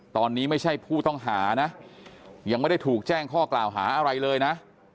ตอนนี้ไม่ใช่ผู้ต้องหานะยังไม่ได้ถูกแจ้งข้อกล่าวหาอะไรเลยนะ